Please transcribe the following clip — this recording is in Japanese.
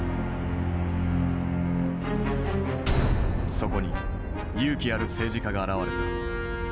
そこに勇気ある政治家が現れた。